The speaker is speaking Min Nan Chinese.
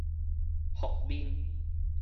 服面